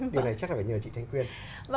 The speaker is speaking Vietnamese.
điều này chắc là phải nhờ chị thanh quyên